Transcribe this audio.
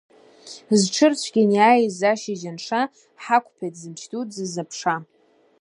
Зыҽрыцәгьан иааиз ашьыжь анша, ҳақәԥеит, зымч дуӡаз аԥша.